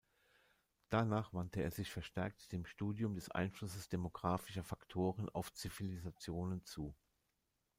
Danach wandte er sich verstärkt dem Studium des Einflusses demographischer Faktoren auf Zivilisationen zu.